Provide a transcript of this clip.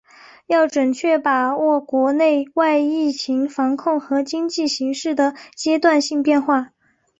要准确把握国内外疫情防控和经济形势的阶段性变化